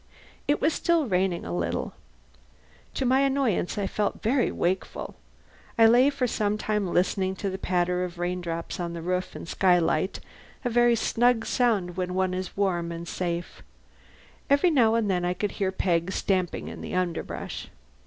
It was still raining a little. To my annoyance I felt very wakeful. I lay for some time listening to the patter of raindrops on the roof and skylight a very snug sound when one is warm and safe. Every now and then I could hear Peg stamping in the underbrush.